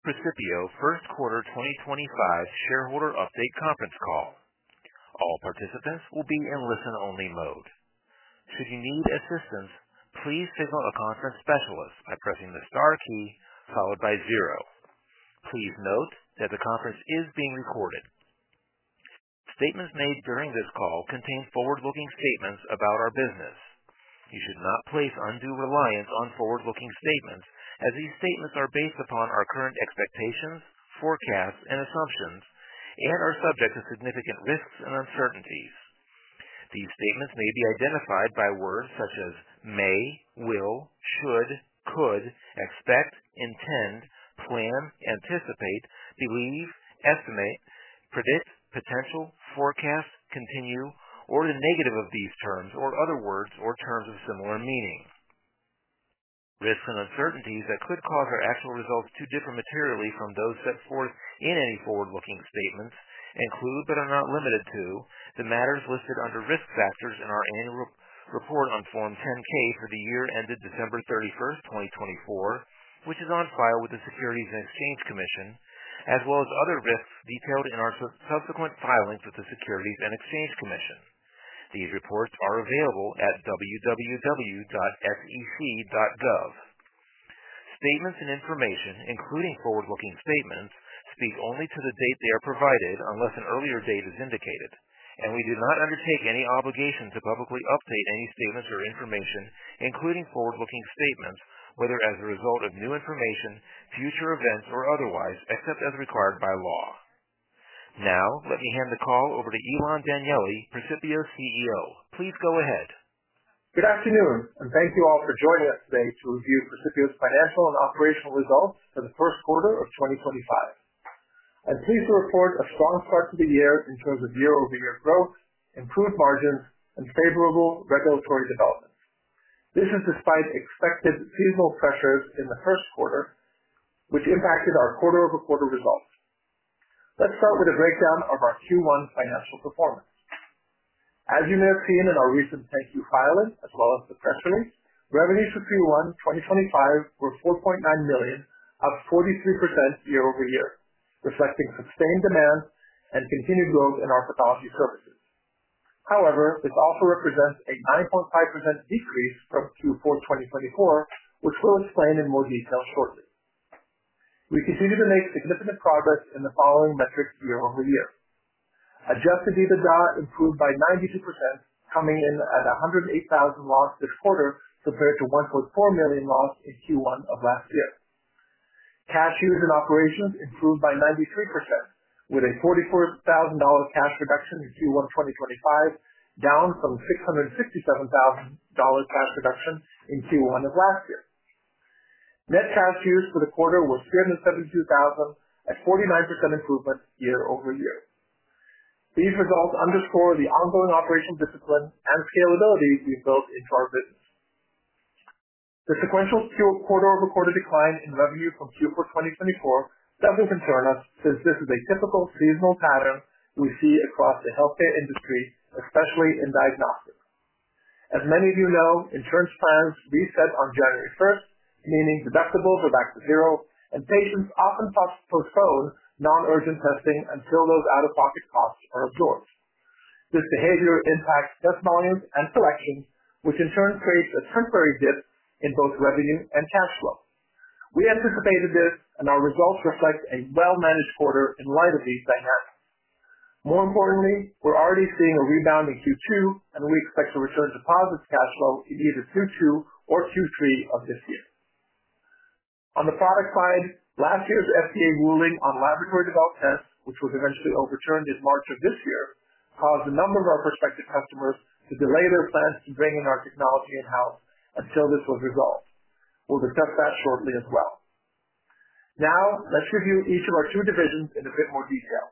Precipio First Quarter 2025 Shareholder Update Conference Call. All participants will be in listen-only mode. Should you need assistance, please signal a conference specialist by pressing the star key followed by zero. Please note that the conference is being recorded. Statements made during this call contain forward-looking statements about our business. You should not place undue reliance on forward-looking statements, as these statements are based upon our current expectations, forecasts, and assumptions, and are subject to significant risks and uncertainties. These statements may be identified by words such as may, will, should, could, expect, intend, plan, anticipate, believe, estimate, predict, potential, forecast, continue, or the negative of these terms, or other words or terms of similar meaning. Risks and uncertainties that could cause our actual results to differ materially from those set forth in any forward-looking statements include but are not limited to the matters listed under risk factors in our annual report on Form 10-K for the year ended December 31, 2024, which is on file with the Securities and Exchange Commission, as well as other risks detailed in our subsequent filings with the Securities and Exchange Commission. These reports are available at www.sec.gov. Statements and information, including forward-looking statements, speak only to the date they are provided unless an earlier date is indicated, and we do not undertake any obligation to publicly update any statements or information, including forward-looking statements, whether as a result of new information, future events, or otherwise, except as required by law. Now, let me hand the call over to Ilan Danieli, Precipio's CEO. Please go ahead. Good afternoon, and thank you all for joining us today to review Precipio's financial and operational results for the first quarter of 2025. I'm pleased to report a strong start to the year in terms of year-over-year growth, improved margins, and favorable regulatory developments. This is despite expected seasonal pressures in the first quarter, which impacted our quarter-over-quarter results. Let's start with a breakdown of our Q1 financial performance. As you may have seen in our recent Securities and Exchange Commission filing, as well as the press release, revenues for Q1 2025 were $4.9 million, up 43% year-over-year, reflecting sustained demand and continued growth in our pathology services. However, this also represents a 9.5% decrease from Q4 2024, which we'll explain in more detail shortly. We continue to make significant progress in the following metrics year-over-year: adjusted EBITDA improved by 92%, coming in at $108,000 lost this quarter compared to $144,000 lost in Q1 of last year. Cash use and operations improved by 93%, with a $44,000 cash production in Q1 2025, down from $667,000 cash production in Q1 of last year. Net cash use for the quarter was $372,000, a 49% improvement year-over-year. These results underscore the ongoing operational discipline and scalability we've built into our business. The sequential quarter-over-quarter decline in revenue from Q4 2024 doesn't concern us since this is a typical seasonal pattern we see across the healthcare industry, especially in diagnostics. As many of you know, insurance plans reset on January 1st, meaning deductibles are back to zero, and patients often postpone non-urgent testing until those out-of-pocket costs are absorbed. This behavior impacts test volumes and selections, which in turn creates a temporary dip in both revenue and cash flow. We anticipated this, and our results reflect a well-managed quarter in light of these dynamics. More importantly, we're already seeing a rebound in Q2, and we expect to return to positive cash flow in either Q2 or Q3 of this year. On the product side, last year's FDA ruling on laboratory-developed tests, which was eventually overturned in March of this year, caused a number of our prospective customers to delay their plans to bring in our technology in-house until this was resolved. We'll discuss that shortly as well. Now, let's review each of our two divisions in a bit more detail.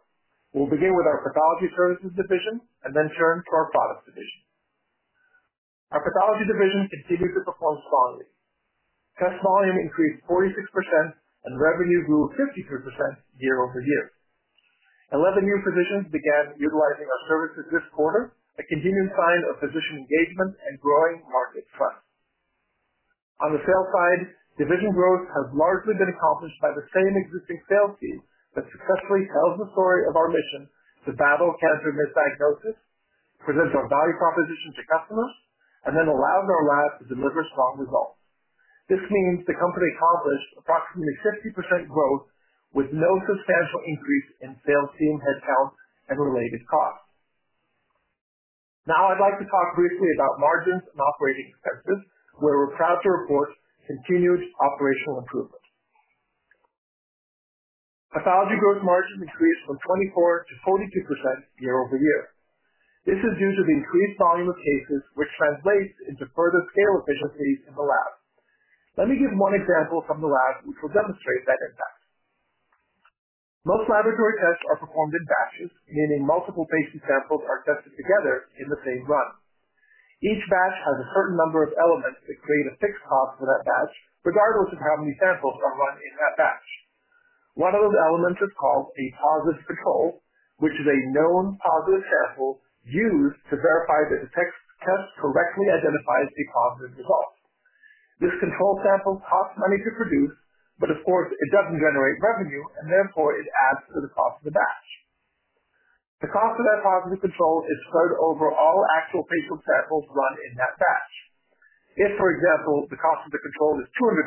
We'll begin with our pathology services division and then turn to our products division. Our pathology division continued to perform strongly. Test volume increased 46%, and revenue grew 53% year-over-year. Eleven new physicians began utilizing our services this quarter, a continued sign of physician engagement and growing market trust. On the sales side, division growth has largely been accomplished by the same existing sales team that successfully tells the story of our mission to battle cancer misdiagnosis, presents our value proposition to customers, and then allows our lab to deliver strong results. This means the company accomplished approximately 50% growth with no substantial increase in sales team headcount and related costs. Now, I'd like to talk briefly about margins and operating expenses, where we're proud to report continued operational improvement. Pathology gross margins increased from 24% - 42% year-over-year. This is due to the increased volume of cases, which translates into further scale efficiencies in the lab. Let me give one example from the lab, which will demonstrate that impact. Most laboratory tests are performed in batches, meaning multiple patient samples are tested together in the same run. Each batch has a certain number of elements that create a fixed cost for that batch, regardless of how many samples are run in that batch. One of those elements is called a positive control, which is a known positive sample used to verify that the test correctly identifies a positive result. This control sample costs money to produce, but of course, it doesn't generate revenue, and therefore it adds to the cost of the batch. The cost of that positive control is spread over all actual patient samples run in that batch. If, for example, the cost of the control is $200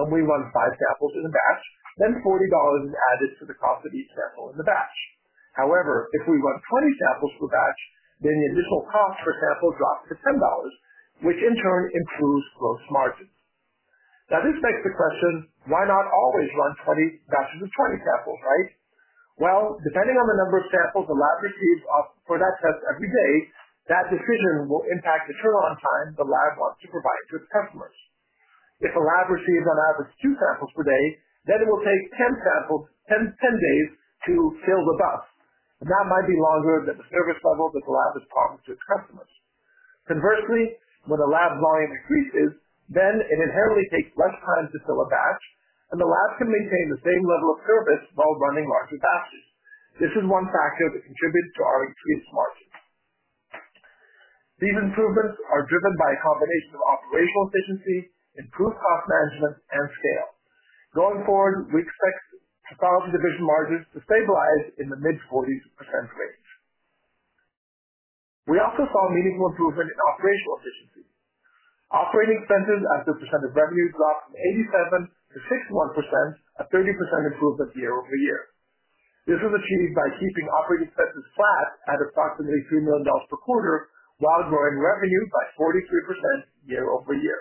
and we run five samples in a batch, then $40 is added to the cost of each sample in the batch. However, if we run 20 samples per batch, then the additional cost per sample drops to $10, which in turn improves gross margins. Now, this begs the question, why not always run 20 batches of 20 samples, right? Depending on the number of samples the lab receives for that test every day, that decision will impact the turn-on time the lab wants to provide to its customers. If a lab receives on average two samples per day, then it will take 10 days to fill the buff, and that might be longer than the service level that the lab is promising to its customers. Conversely, when the lab volume increases, then it inherently takes less time to fill a batch, and the lab can maintain the same level of service while running larger batches. This is one factor that contributes to our increased margins. These improvements are driven by a combination of operational efficiency, improved cost management, and scale. Going forward, we expect pathology division margins to stabilize in the mid-40% range. We also saw meaningful improvement in operational efficiency. Operating expenses as a percent of revenue dropped from 87% - 61%, a 30% improvement year-over-year. This was achieved by keeping operating expenses flat at approximately $3 million per quarter while growing revenue by 43% year-over-year.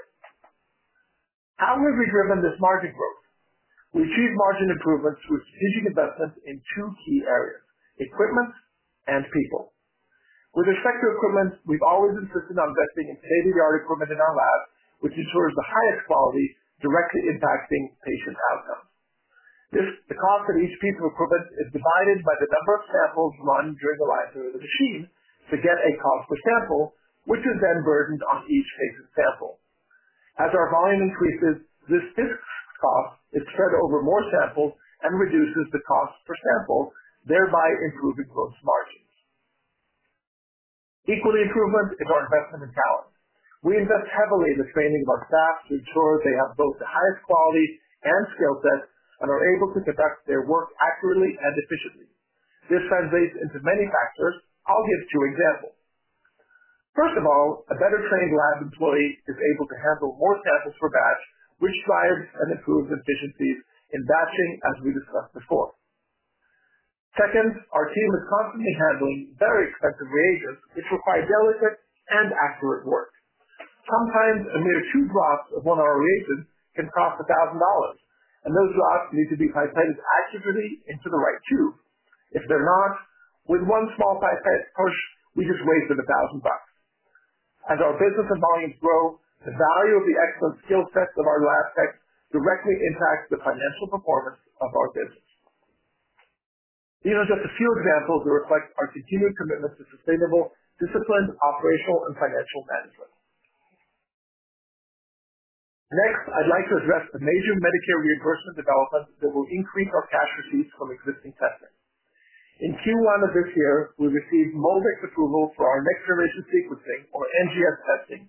How have we driven this margin growth? We achieved margin improvements through strategic investment in two key areas: equipment and people. With respect to equipment, we've always insisted on investing in state-of-the-art equipment in our lab, which ensures the highest quality, directly impacting patient outcomes. The cost of each piece of equipment is divided by the number of samples run during the life of the machine to get a cost per sample, which is then burdened on each patient sample. As our volume increases, this fixed cost is spread over more samples and reduces the cost per sample, thereby improving gross margins. Equally, improvement is our investment in talent. We invest heavily in the training of our staff to ensure they have both the highest quality and skill set and are able to conduct their work accurately and efficiently. This translates into many factors. I'll give two examples. First of all, a better-trained lab employee is able to handle more samples per batch, which drives and improves efficiencies in batching, as we discussed before. Second, our team is constantly handling very expensive reagents, which require delicate and accurate work. Sometimes a mere two drops of one of our reagents can cost $1,000, and those drops need to be pipetted accurately into the right tube. If they're not, with one small pipette push, we just wasted $1,000. As our business and volumes grow, the value of the excellent skill sets of our lab techs directly impacts the financial performance of our business. These are just a few examples that reflect our continued commitment to sustainable, disciplined, operational, and financial management. Next, I'd like to address the major Medicare reimbursement developments that will increase our cash receipts from existing testing. In Q1 of this year, we received MolDX approval for our next generation sequencing, or NGS testing,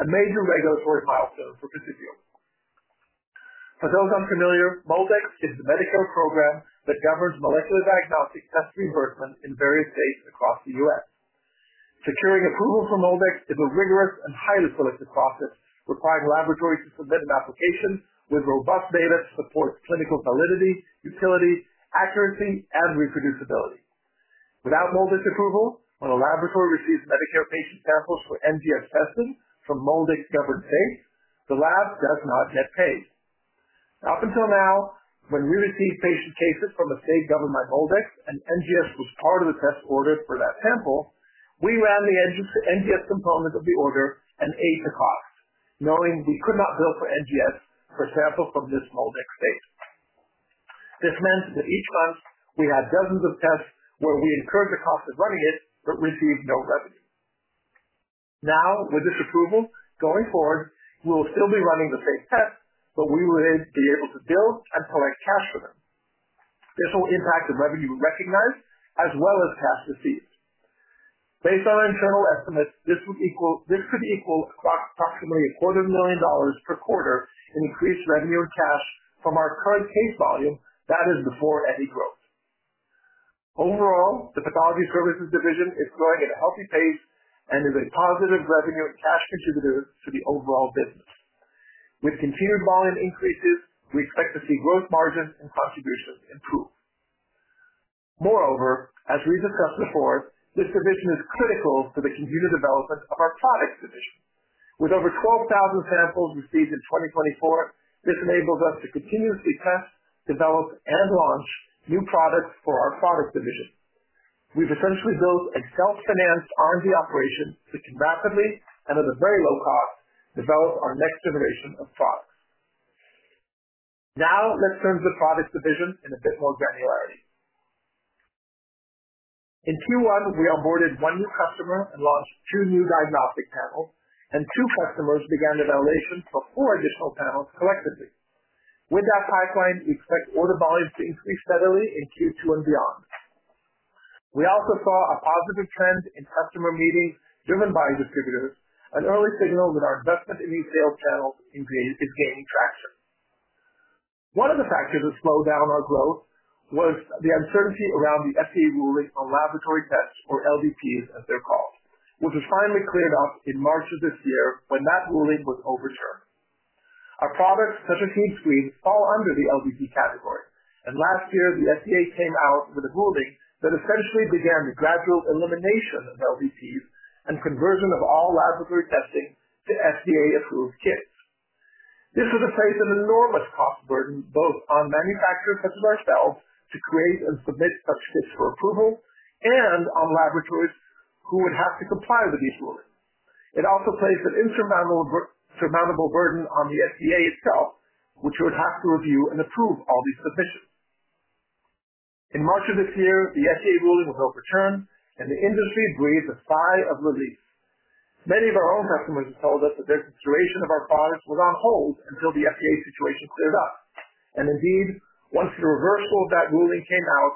a major regulatory milestone for Precipio. For those unfamiliar, MolDX is the Medicare program that governs molecular diagnostic test reimbursement in various states across the U.S. Securing approval for MolDX is a rigorous and highly selective process, requiring laboratories to submit an application with robust data to support clinical validity, utility, accuracy, and reproducibility. Without MolDX approval, when a laboratory receives Medicare patient samples for NGS testing from MolDX-governed states, the lab does not get paid. Up until now, when we received patient cases from a state governed by MolDX and NGS was part of the test order for that sample, we ran the NGS component of the order and ate the cost, knowing we could not bill for NGS for samples from this MolDX state. This meant that each month we had dozens of tests where we incurred the cost of running it but received no revenue. Now, with this approval, going forward, we'll still be running the same tests, but we will be able to bill and collect cash for them. This will impact the revenue recognized as well as cash received. Based on our internal estimates, this could equal approximately $250,000 per quarter in increased revenue and cash from our current case volume that is before any growth. Overall, the Pathology Services division is growing at a healthy pace and is a positive revenue and cash contributor to the overall business. With continued volume increases, we expect to see gross margins and contributions improve. Moreover, as we discussed before, this division is critical to the continued development of our Products Division. With over 12,000 samples received in 2024, this enables us to continuously test, develop, and launch new products for our Products Division. We've essentially built a self-financed R&D operation that can rapidly, and at a very low cost, develop our next generation of products. Now, let's turn to the Products Division in a bit more granularity. In Q1, we onboarded one new customer and launched two new diagnostic panels, and two customers began evaluation for four additional panels collectively. With that pipeline, we expect order volumes to increase steadily in Q2 and beyond. We also saw a positive trend in customer meetings driven by distributors, an early signal that our investment in these sales channels is gaining traction. One of the factors that slowed down our growth was the uncertainty around the FDA ruling on laboratory-developed tests, or LDTs as they're called, which was finally cleared up in March of this year when that ruling was overturned. Our products, such as HemeScreen, fall under the LDT category, and last year, the FDA came out with a ruling that essentially began the gradual elimination of LDTs and conversion of all laboratory testing to FDA-approved kits. This would have placed an enormous cost burden both on manufacturers such as ourselves to create and submit such kits for approval and on laboratories who would have to comply with these rulings. It also placed an insurmountable burden on the FDA itself, which would have to review and approve all these submissions. In March of this year, the FDA ruling was overturned, and the industry breathed a sigh of relief. Many of our own customers have told us that their consideration of our products was on hold until the FDA situation cleared up. Indeed, once the reversal of that ruling came out,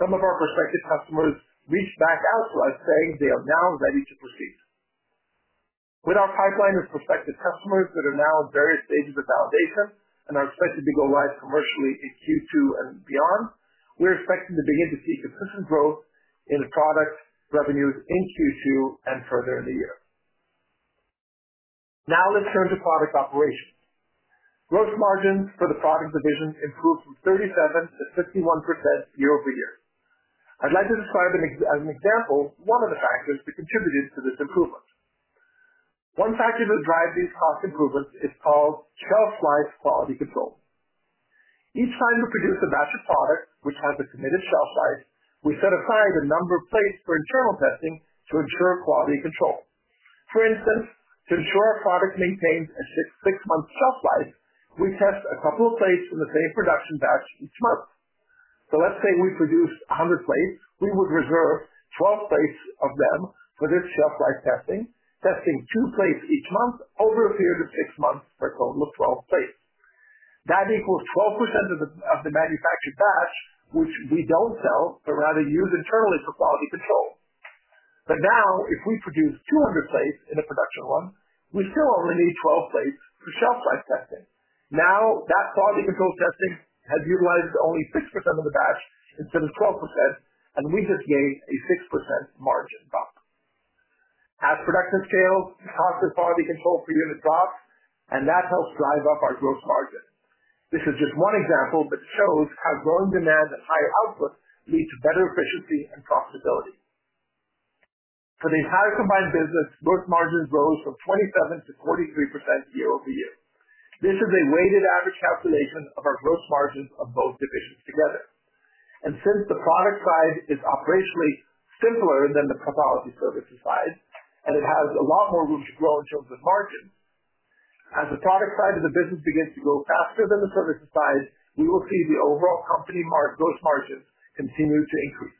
some of our prospective customers reached back out to us, saying they are now ready to proceed. With our pipeline of prospective customers that are now in various stages of validation and are expected to go live commercially in Q2 and beyond, we're expecting to begin to see consistent growth in product revenues in Q2 and further in the year. Now, let's turn to product operations. Gross margins for the Products Division improved from 37% - 51% year-over-year. I'd like to describe as an example one of the factors that contributed to this improvement. One factor that drives these cost improvements is called shelf life quality control. Each time we produce a batch of product which has a committed shelf life, we set aside a number of plates for internal testing to ensure quality control. For instance, to ensure our product maintains a six-month shelf life, we test a couple of plates in the same production batch each month. Let's say we produced 100 plates. We would reserve 12 plates of them for this shelf life testing, testing two plates each month over a period of six months for a total of 12 plates. That equals 12% of the manufactured batch, which we don't sell, but rather use internally for quality control. Now, if we produce 200 plates in a production one, we still only need 12 plates for shelf life testing. Now, that quality control testing has utilized only 6% of the batch instead of 12%, and we just gained a 6% margin drop. As production scales, the cost of quality control per unit drops, and that helps drive up our gross margin. This is just one example, but it shows how growing demand and higher output lead to better efficiency and profitability. For the entire combined business, gross margins rose from 27% - 43% year-over-year. This is a weighted average calculation of our gross margins of both divisions together. Since the product side is operationally simpler than the pathology services side, and it has a lot more room to grow in terms of margins, as the product side of the business begins to grow faster than the services side, we will see the overall company gross margins continue to increase.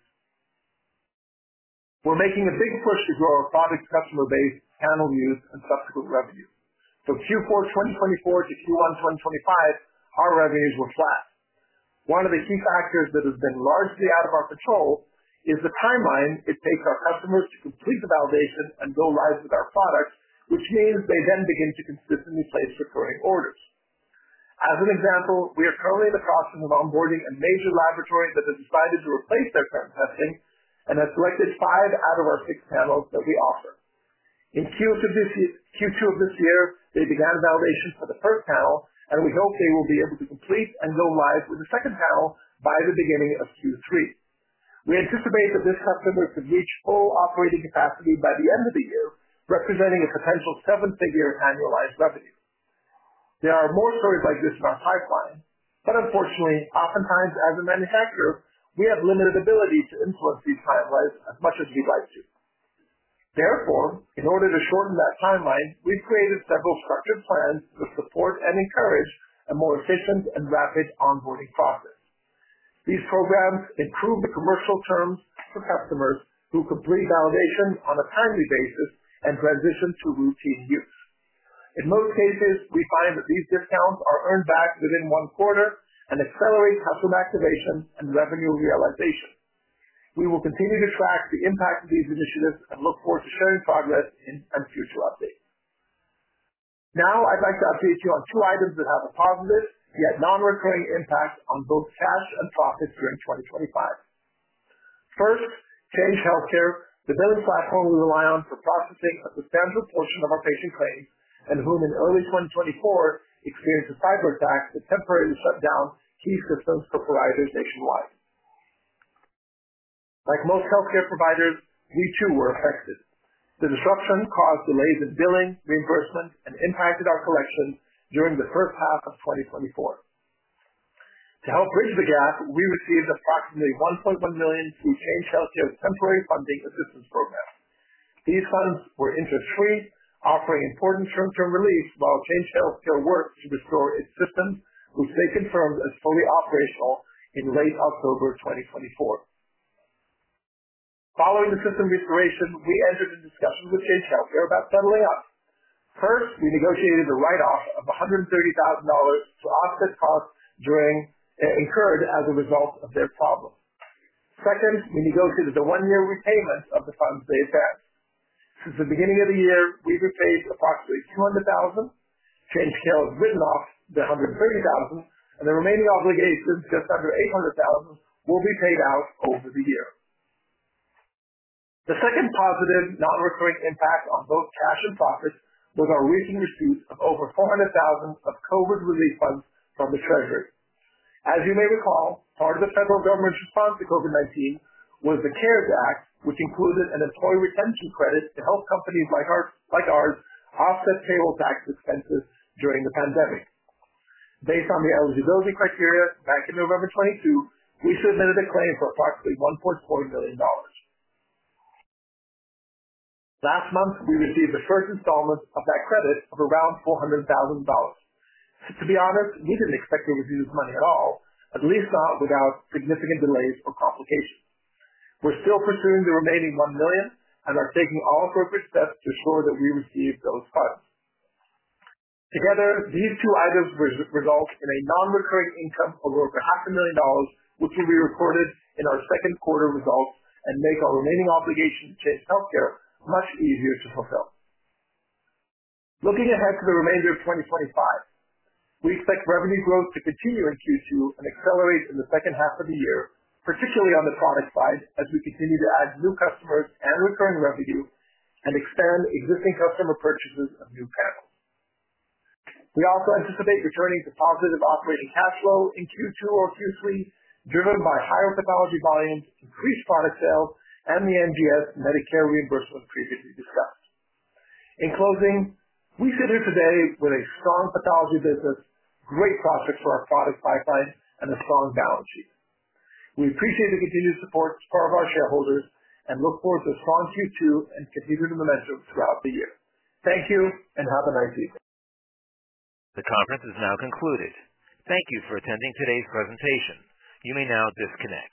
We're making a big push to grow our product customer base, channel use, and subsequent revenue. From Q4 2024 to Q1 2025, our revenues were flat. One of the key factors that has been largely out of our control is the timeline it takes our customers to complete the validation and go live with our product, which means they then begin to consistently place recurring orders. As an example, we are currently in the process of onboarding a major laboratory that has decided to replace their current testing and has selected five out of our six panels that we offer. In Q2 of this year, they began validation for the first panel, and we hope they will be able to complete and go live with the second panel by the beginning of Q3. We anticipate that this customer could reach full operating capacity by the end of the year, representing a potential seven-figure annualized revenue. There are more stories like this in our pipeline, but unfortunately, oftentimes, as a manufacturer, we have limited ability to influence these timelines as much as we'd like to. Therefore, in order to shorten that timeline, we've created several structured plans that support and encourage a more efficient and rapid onboarding process. These programs improve the commercial terms for customers who complete validation on a timely basis and transition to routine use. In most cases, we find that these discounts are earned back within one quarter and accelerate customer activation and revenue realization. We will continue to track the impact of these initiatives and look forward to sharing progress and future updates. Now, I'd like to update you on two items that have a positive yet non-recurring impact on both cash and profits during 2025. First, Change Healthcare, the billing platform we rely on for processing a substantial portion of our patient claims and whom, in early 2024, experienced a cyber attack that temporarily shut down key systems for providers nationwide. Like most healthcare providers, we too were affected. The disruption caused delays in billing, reimbursement, and impacted our collections during the first half of 2024. To help bridge the gap, we received approximately $1.1 million through Change Healthcare's temporary funding assistance program. These funds were interest-free, offering important short-term relief while Change Healthcare worked to restore its systems, which they confirmed as fully operational in late October 2024. Following the system restoration, we entered into discussions with Change Healthcare about settling up. First, we negotiated a write-off of $130,000 to offset costs incurred as a result of their problem. Second, we negotiated a one-year repayment of the funds they had passed. Since the beginning of the year, we've repaid approximately $200,000. Change Healthcare has written off the $130,000, and the remaining obligations, just under $800,000, will be paid out over the year. The second positive non-recurring impact on both cash and profits was our recent receipt of over $400,000 of COVID relief funds from the Treasury. As you may recall, part of the federal government's response to COVID-19 was the CARES Act, which included an employee retention credit to help companies like ours offset payroll tax expenses during the pandemic. Based on the eligibility criteria back in November 2022, we submitted a claim for approximately $1.4 million. Last month, we received the first installment of that credit of around $400,000. To be honest, we didn't expect to receive this money at all, at least not without significant delays or complications. We're still pursuing the remaining $1 million and are taking all appropriate steps to ensure that we receive those funds. Together, these two items result in a non-recurring income of over $500,000, which will be reported in our second quarter results and make our remaining obligation to Change Healthcare much easier to fulfill. Looking ahead to the remainder of 2025, we expect revenue growth to continue in Q2 and accelerate in the second half of the year, particularly on the product side as we continue to add new customers and recurring revenue and expand existing customer purchases of new panels. We also anticipate returning to positive operating cash flow in Q2 or Q3, driven by higher pathology volumes, increased product sales, and the NGS Medicare reimbursement previously discussed. In closing, we sit here today with a strong pathology business, great profits for our product pipeline, and a strong balance sheet. We appreciate the continued support from our shareholders and look forward to a strong Q2 and continued momentum throughout the year. Thank you, and have a nice evening. The conference is now concluded. Thank you for attending today's presentation. You may now disconnect.